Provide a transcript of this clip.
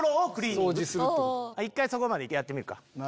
１回そこまでやってみるか。